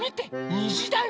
にじだよ。